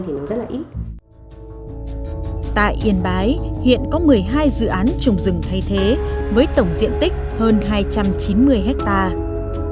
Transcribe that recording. tổng rừng thay thế với tổng diện tích hơn hai trăm chín mươi hectare